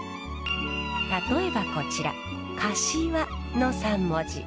例えばこちら「かし輪」の３文字。